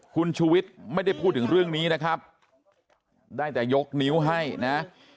คุณชูวิทย์ไม่ได้พูดถึงเรื่องนี้นะครับได้แต่ยกนิ้วให้นะ